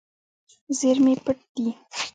زیرمې پټ دي.